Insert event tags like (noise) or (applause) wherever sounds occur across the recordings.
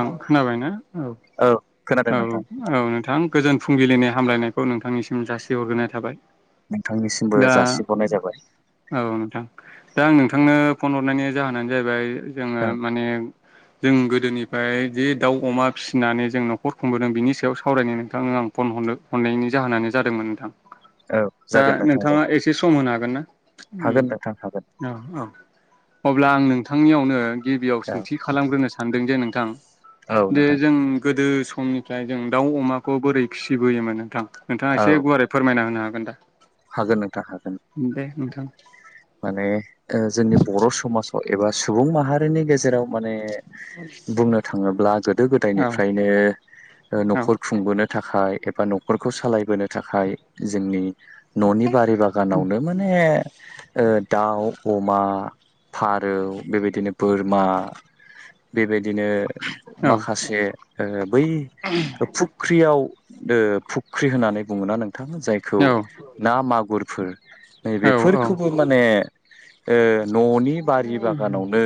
आं खोनाबाय ना औ खोनादों औ नोंथां औ नोंथां गोजोन फुंबिलिनि हामलायनायखौ नोंथांनि जासि हरग्रोनाय थाबाय नोंथांनिसिमबो दा जासिहरनाय जाबाय औ नोंथां दा आं नोंथांनो फन हरनायनि जाहोनानो जाहैबाय जोङो औ माने जों गोदोनिफ्राय जि दाउ अमा फिसिनानै जों न'खर खुंबोदों बिनि सायाव सावरायनो नोंथांनो आं फन हरनो हरनायनि जाहोनानो जादोंमोन नोंथां औ दा जागोन नोंथां नोंथाङा जागोन एसे सम होनो हागोन ना हागोन नोंथां हागोन औ औ अब्ला आं नोंथांनियावनो गिबियाव औ सोंथि खालामग्रोनो सानदों जे नोंथां औ जे नोंथां जों गोदो समनिफ्राय जों दाउ अमाखौ बोरै फिसिबोयोमोन नोंथां नोंथाङा औ एसे गुवारै फोरमायना होनो हागोन दा हागोन नोंथां हागोन दे नोंथां माने जोंनि बर' समाजाव एबा सुबुं माहारिनि गेजेराव माने बुंनो थाङोब्ला गोदो औ गोदायनिफ्रायनो औ न'खर खुंबोनो थाखाय एबा न'खरखौ सालायबोनो थाखाय जोंनि न'नि बारि बागानावनो माने दाउ अमा फारौ बेबायदिनो बोरमा बेबायदिनो औ माखासे बै फु फुख्रियाव फुख्रि होननानै बुङोना नोंथाङा जायखौ ना मागुरफोर औ नैबेफोरखौबो माने न'नि बारि औ बागानावनो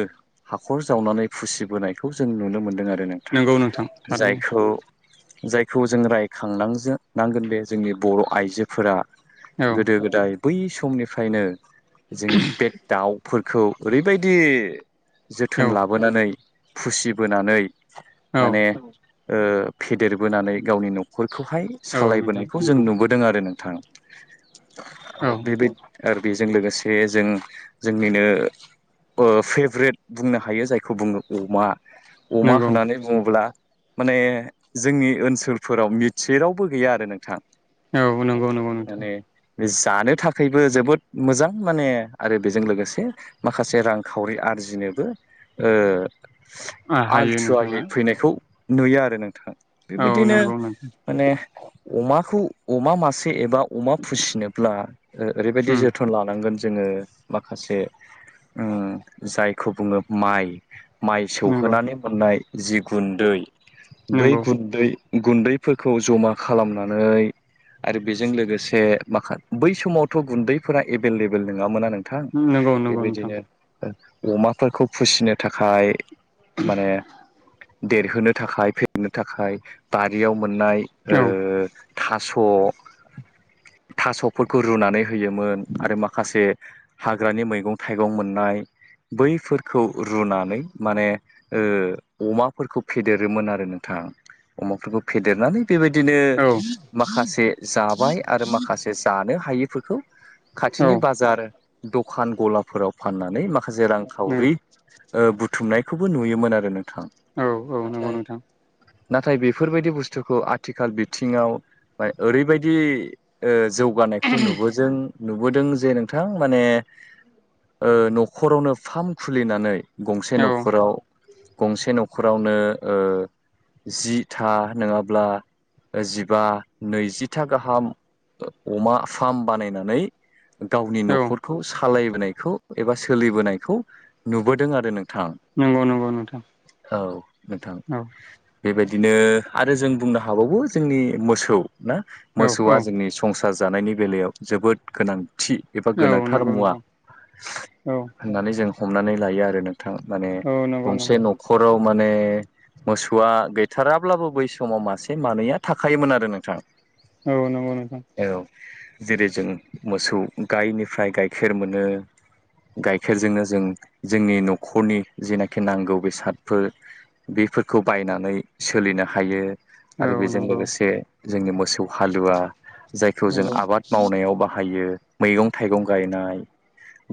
हाखर जावनानै फुसिबोनायखौ जों नुनो मोनदों आरो नोंथा नंगौ नोंथां थारैनो जायखौ जायखौ जों रायखांनांनांगोन जे जोंनि बर' आइजोफोरा औ गोदो गोदाय बै समनिफ्रायनो जों बे दाउ फोरखौ ओरैबायदि जोथोन औ लाबोनानै फुसिबोनानै औ माने फेदेरबोनानै गावनि न'खर खौहाय औ नोंथां सालायबोनायखौ जों नुबोदों आरो नोंथां औ बेबायदि आरो बेजों लोगोसे जों जोंनिनो फेभ्रेट बुंनो हायो जायखौ बुङो अमा अमा नंगौ होननानै बुङोब्ला माने जोंनि ओनसोलफोराव मिथियि रावबो गैया आरो नोंथां औ नंगौ नंगौ नोंथां बे जानो थाखायबो जोबोद मोजां माने आरो बेजों लोगोसे माखासे रांखावरि आ आरजिनोबो ओ हायो नोंथाङा आलथुवायै फैनायखौ नुयो आरो नोंथां औ बेबायदिनो नंगौ नोंथां माने अमाखौ अमा मासे फ्रि एबा अमा फिसिनोब्ला ओरैबायदि उम जोथोन लानांगोन जोङो माखासे उम जायखौ बुङो माइ माइ नंगौ सौहोनानै मोननाय जि गुन्दै बै नंगौ गुन्दै गुन्दैफोरखौ जमा खालामनानै आरो बेजों लोगोसे माखा बै समावथ' गुन्दैफोरा एभेलेबेल नङामोना आरो थां नंगौ नंगौ नोंथां बेबायदिनो अमाफोरखौ फिसिनो थाखाय माने देरहोनो थाखाय फेेरनो थाखाय बारियाव मोननाय ओ औ थास' थास'फोरखौ रुनानै होयोमोन आरो माखासे हाग्रानि मैगं थाइगं मोननाय बैफोरखौ रुनानै माने ओ अमाफोरखौ फेदेरोमोन आरो नोंथाङा अमाफोरखौ फेदेरनानै बेबायदिनो औ माखासे जाबाय आरो माखासे जानो हायिफोरखौ औ खाथिनि बाजार दखान गलाफोराव फाननानै माखासे नंगौ रांखावरि ओ बुथुमनायखौबो नुयोमोन आरो नोंथां औ औ नंगौ नोंथां नाथाय नाथाय बेफोरबायदि बुस्थुखौ आथिखाल बिथिङाव ओरैबायदि ओ जौगानायखौ नुबोजों नुबोदों जे नोंथां माने ओ न'खरावनो फार्म खुलिनानै गंसे औ न'खराव गंसे न'खरावनो ओ जि था नङाब्ला जिबा नैजिथा गाहाम अमा फार्म बानायनानै गावनि औ न'खरखौ सालायबोनायखौ एबा सोलिबोनायखौ नुबोदों आरो नों थां नंगौ नंगौ नोंथां औ नोंथां औ बेबायदिनो आरो जों बुंनो हाबावो जोंनि मोसौ ना औ मोसौआ औ जोंनि संसा र जानायनि बेलायाव जोबोद गोनां थि एबा औ गोनांथार नंगौ मुवा नोंथां औ होननानै जों हमनानै लायो आरो नों थां माने औ नंगौ गंसे नंगौ न'खराव माने मोसौआ गैथाराब्लाबो बै समाव मासे मानैया थाखायायोमोन आरो नोंथां औ नगौ नोंथां औ जेरै जों मोसौ गायनिफ्राय गाइखेर मोनो गाइखेरजोंनो जों जोंनि न'खरनि जिनाखि नांगौ बेसादफोर बे बेफोरखौ बायनानै सोलिनो हायो आरो औ बेजों नंगौ लोगोसे जोंनि मोसौ हालुवा जायखौ जों नंगौ आबाद मावनायाव बाहाय यो मैगं थाइगं गायनाय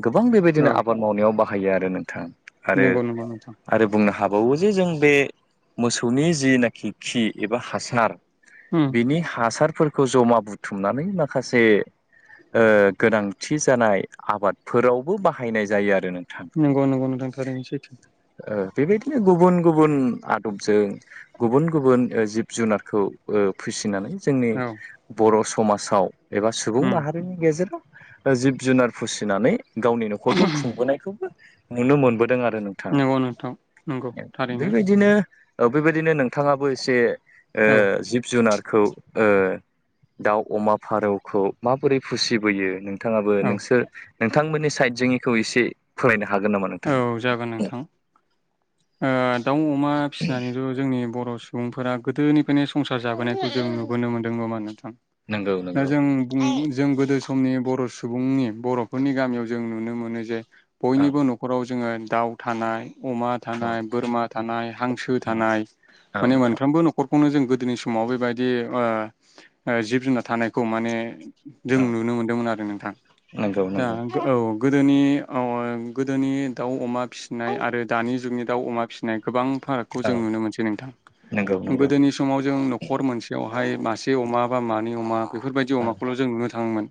गोबां औ बेबायदिनो आबाद मावनायाव बाहायो आरो नोंथां आरो नंगौ नंगौ नोंथां आरो बुंनो हाब बावो जे जों बे मोसौनि जिनाखि खि एबा हासार उम बिनि हासारफोरखौ जमा बुथुमनानै माखासे ओ गोनांथि जानाय आबादफोरावबो बाहायनाय जायो आरो नों नोंगौ नोंगौ नोंथां थारैनो सैथो ओ बेबायदिनो गुबुन गुबुन आदबजों गुबुन गुबुन ओ जिब जुनारखौ ओ फिसिनानै जोंनि औ बर' समाजाव एबा सुबुं उम माहारिनि गेजेराव जिब जुनार फिसिनानै गावनि न'खरखौ खुंबोनायखौबो नुनो मोनबोदों आरो नोंथां नंगौ नोंथां नंगौ थारैनो बेबायदिनो औ बेबायदिनो नोंथाङाबो एसे औ ओ जिब जुनारखौ ओ दाउ अमा फारौखौ माबोरै फिसिबोयो नों नोंथाङाबो औ नोंसोर नोंथांमोननि साइडजोंनिखौ एसे फोरायनो हा औ जागोन नोंथां आ दाउ अमा फिसिनानैथ' जोंनि बर' सुबुंफोरा गोदोनिफ्रायनो संसार जाबोनायखौ जों नुबोनो मोनदों नङा होनबा नों थां नंगौ दा नंगौ जों बुं जों गोदो समनि बर' सुबुंनि बर'फोरनि गामियाव जों नुनो मोनो जे औ बयनिबो न'खर जोङो दाउ थानाय अमा औ थानाय बोरमा थानाय हांसो औ थानाय औ माने नोंथां मोनफ्रोमबो न'खरखौनो जों गोदोनि समाव बेबायदि ओ ओ जिब जुनार थानायखौ माने जों औ नुनो मोनदोंमोन आरो नोंथां नंगौ दा नंगौ औ गोदोनि औ गोदोनि दाउ अमा फिसिनाय आरो दानि जुगनि दाउ अमा फिसिनाय गोबां फारागखौ औ जों नुनो मोनसै नोंथां नंगौ नंगौ गोदोनि समाव जों न'खर मोनसेयाव बहाय मासे अमा बा मानै अमा बेफोरबायदि औ अमाखौल' जों नुनो थाङोमोन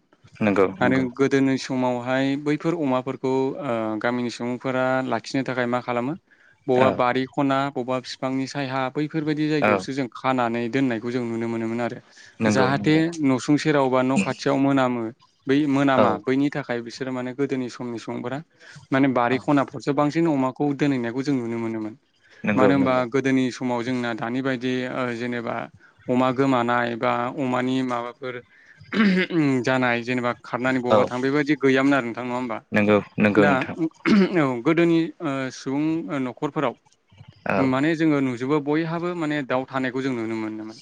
नंगौ आरो नंगौ गोदोनि समावहाय बैफोर अमाफोरखौ ओ गामिनि सुबुंफोरा लाखिनो थाखाय मा खालामो औ बबेबा बारि ख'ना बबेबा बिफांनि साया बैफोरबायादि औ जायगायावसो जों खानानै दोननायखौ जों नुनो मोनोमोन आरो नंगौ जाहाथे नंगौ न'सुं सेराव बा न' खाथियाव मोनामो बै औ मोनामा बैनि थाखाय बिसोर बिसोर माने गोदोनि समनि सुबुंफोरा माने बारि औ ख'नाफोरसो बांसिन अमाखौ खौ दोनहैनायखौ जों नुनो मोनोमोन नंगौ मानो होनबा नंगौ गोदोनि सम समाव जोंना दानि बायदि ओ जेनेबा अमा गोमानाय बा अमानि माबाफोर ओम जानाय जेनेबा खारनानै औ बावबा थां बेबायदि गैयामोन आरो नोंथां नङा होमबा नंगौ नंगौ दा नोंथां औ गोदोनि ओ सुबुं न'खरफोराव औ माने जोङो नु जोबो बयहाबो माने दाउ थानायखौ जों नुनो मोनोमोन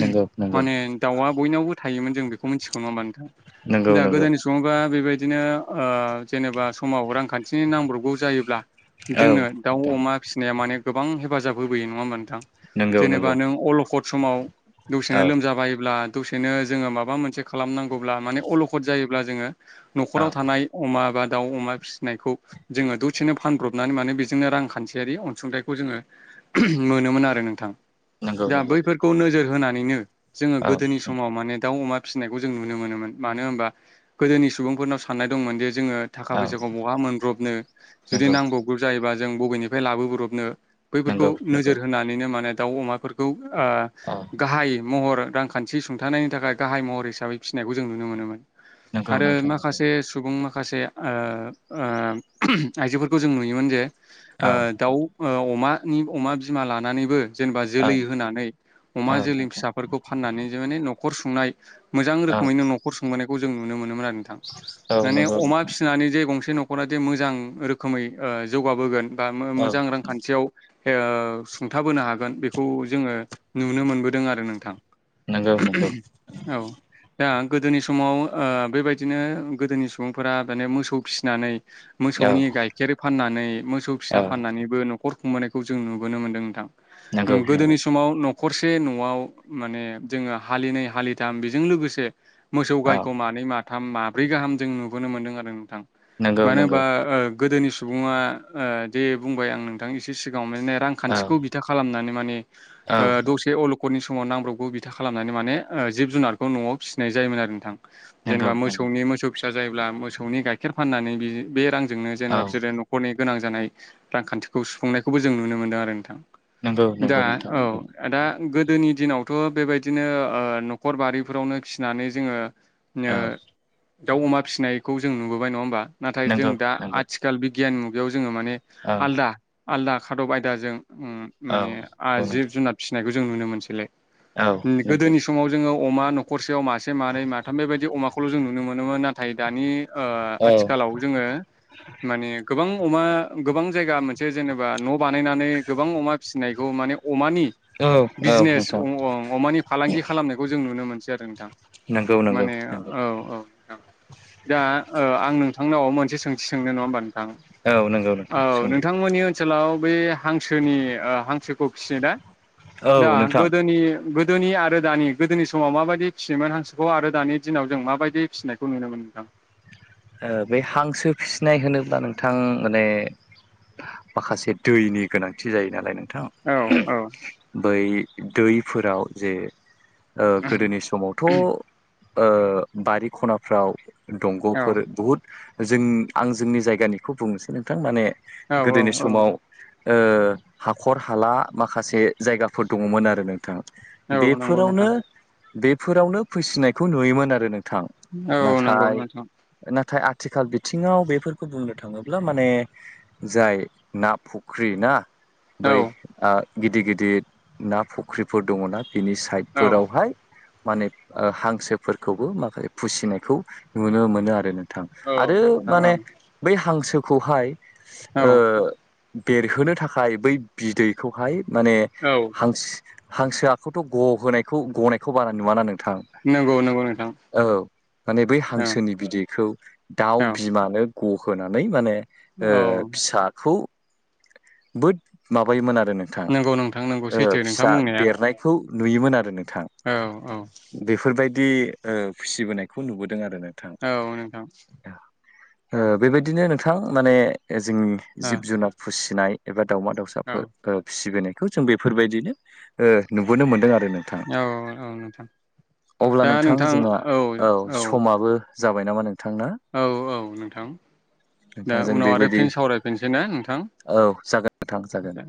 नंगौ नंगौ माने दाउआ बयनावबो थायोमोन जों बेखौ मिथिगौ नङा होमबा नोंथां नंगौ दा नंगौ गोदोनि समङावोबा बेबायदिनो आं जेनेबा समाव रां खाथिनि नांब्रबगौ जायोब्ला औ जोंनो दाउ नोंथां अमा फिसिनाया माने गोबां हेफाजाब होबोयो नङा होनबा नोंथां नंगौ जेनेबा नंगौ नों अलखद समाव दसेनो औ लोमजाबायोब्ला दसेनो जोङो माबा मोनसे खालामनांगौब्ला माने अलखद जायोब्ला जोङो औ न'खराव थानाय अमा बा दाउ अमा फि बेखौ जोङो द'सेनो फानब्रबनानै माने बेजोंनो रांखानथियारि अनसुंथाइखौ जोङो मोन नुनो मोनो आरो नोंथां नंगौ दा नंगौ बैफोरखौ नोजोर होनानैनो जोङो औ गोदोनि समाव माने दाउ अमा फिसिनायखौ जों नुनो मोनोमोन मानो होनबा गोदोनि सुबुंफोरनाव साननाय दंमोन जे जोङो थाखा औ फैसा ब'हा मोनब्रबनो नंगौ जुदि नांबावग्रब जायोबा जों बबेनिफ्राय लाबोब्रबनो बैफोरखौ नंगौ नंगौ नोजोर होनानैनो माने दाउ अमाफोरखौ औ गाहाय महर रांखानथि सुंथानायनि थाखाय गाहाय महर हिसाबै फिसिनायखौ जों नुनो मोनोमोन नंगौ आरो नोंथां नंगौ माखासे सुबुं माखासे माखासे ओ ओ आइजोफोरखौ जों नुयोमोन जे औ आ दाउ अमानि अमा बिमा लानानैबो जेनेबा औ जोलै होनानै अमा औ जोलै औ फिसाफोरखौ फाननानै जों माने न'खर सुंनाय मोजां औ रोखोमैनो न'खर संबोनायखौ जों नुनो मोनोमोन आरो नोंथां माने नंगौ अमा फिसिनानै जे गंसे से न'खरा जे मोजां रोखोमै जौगाबोगोन बा औ मोजां रांखानथियाव ओ सुंथाबोनो हागोन बेखौ जोङो नुनो मोनबोदों आरो नोंथां नंगौ नंगौ औ दा गोदोनि समाव बेबायदिनो गोदोनि सुबुंफोरा माने मोसौ फिसिनानै मोसौनि औ गाइखेर फाननानै मोसौ फिसा औ फाननानैबो न'खर खुंबोनायखौ जों नुबोनो मोनदों नंगौ नोंथां गोदोनि समाव न खरसे न'आव माने जोङो हालिनै हालिथाम बेजों लोगोसे मोसौ औ गायखौ मानै माथाम माब्रै गाहाम जों नुबोनो मोनदों आरो नोंथां नंगौ मानो नंगौ होनबा ओ गोदोनि सुबुङा दे बुंबाय आं नोंथां एसे सिगां रांखान्थिखौ बिथा खालामनानै माने औ औ दसे न'खरनि समाव नांब्रबगौ बिथा खालामनानै माने जिब जुनारखौ न'आव फिसिनाय जायोमोन आरो नोंथां नंगौ जेनेबा नंगौ मोसौनि मोसौ फिसा जायोब्ला मोसौनि गाइखेर फाननानै बे रां जोंनो औ जेनेबा बिसोरो न'खरनि गोनां जानाय रांखान्थिखौ सुफुंनायखौबो जों नुनो मोनदों आरो नोंथां नंगौ दा नंगौ नोंथां औ नंगौ दा गोदोनि दिनावथ' बेबायदिनो न'खरबारिफोरावनो फिनानै जोंङो औ दाउ अमा फिसिनायखौ जों नुबोबाय नंङा होमबा नाथाय जों नंगौ दा नंगौ आथिखाल बिगियान मुगायाव ज जोंङो माने औ आलदा आलदा खादब आयदाजों औ माने नंगौ जिब नोंथां जुनार फिसिनायखौ जों नुनो मोनसैलै औ नंगौ गोदोनि समाव जोंङो अमा न'खरसेयाव मासे मानैै माथाम बेबायदि अमाखौल' जों नुनो मोनोमोन नाथाय दानि औ आथिखालाव जोंङो माने गोबां अमा गोबां जायगा मोनसे मोनसे जेनेबा न' बानायनानै गोबां अमा फिसिनायखौ माने अमानि औ औ बिजनेस नोंथां अं अमानि फालांगि खालामनायखौ जों नुनो मोनसै आरो नोंथां नंगौ नंगौ माने नंगौ औ औ दा आं नोंथांनाव मोनसे सोंथि सोंनो नंङा होमबा औ औ नंगौ नोंथां सोंदों नोंथांमोननि ओनसोलाव बे हांसोनि हांसोखौ फिसिनो दा औ दा नोंथां गोदोनि गोदोनि आरो दानि गोदोनि समाव माबायदि फिसियोमोन हांसोखौ आरो दानि दिनाव जों माबायदि फिसिनायखौ नुनो मोनो (unintelligible) बे हांसो फिसिनाय होनोब्ला नोंथां माने माखासे दैनि गोनांथि जायो नालाय थां औ औ बै दैफोराव जे गोदोनि समावथ' ओ बारि खनाफ्राव दंग' औ फोर बुहुद जों आं जोंनि जायगानिखौ बुंनोसै नोंथां माने गोदोनि औ समाव हाखर हाला माखासे जायगाफोर दंङमोन आरो नोंथां औ नंगौ बेफोरावनो नोंथां बेफोरावनो फिसिनायखौ नुयोमोन आरो नो गोथां औ नंगौ नाथाय नोंथां नाथाय आथिखाल बिथिंङाव बेफोरखौ बुंनो थाङोब्ला माने जाय ना फुख्रि ना औ बै गिदिर गिदिर ना फुख्रिफोर दंङोना बिनि औ साइडफोरावहाय माने हांसोफोरखौबो माखासे फिसिनायखौ नुनो मोनो आरो आरो नोंथां माने बै हांसोखौहाय औ बेरहोनो थाखाय बै बिदैखौहाय माने औ हांसो हांसो आखखौथ' ग होनोनायखौ गनायखौ बारा नुवा नों थां नंगौ नंगौ नोंथां औ माने बै औ हांसोनि बिदै खौ दाउ औ बिमानो गहोनानै माने औ फिसाखौ बोद माबायोमोन आरो नोंथां नंगौ नोंथां नंगौ सैथो नोंथां फिसा बुंनाया देरनायखौ नुयोमोन आरो नोंथां औ औ बेफोरबायदि फिसिबोनायखौ नुबोदों आरो नोंथां औ नोंथां औ गोोथां माने जोंनि औ जिब जुनार फिसिनाय एबा दाउमा औ दाउसाफोर फिसिबोनो खौ जों बेफोरबायदिनो नुबोनो मोनदों आरो नोंथां औ औ नोंथां अब्ला नोंथां जोंहा औ समाबो जाबाय नामा ना नोंथां औ - औ नोंथां दा नोंथांजों उनाव आरो बेबायदि फिन सावरायफिनसै ने नोंथां औ जागोन नोंथां जागोन